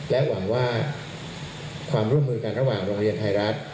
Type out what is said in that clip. และหวังว่าความร่วมมือกันระหว่างโรงเรียนไทยรัฐ